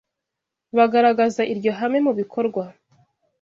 bagaragaza iryo hame mu bikorwa